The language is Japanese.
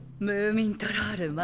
ムーミントロール